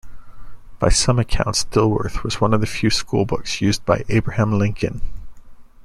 By some accounts Dilworth was one of the few schoolbooks used by Abraham Lincoln.